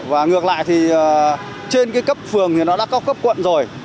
và ngược lại thì trên cái cấp phường thì nó đã có cấp quận rồi